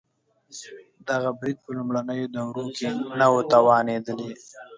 دغه برید په لومړنیو دورو کې نه و توانېدلی.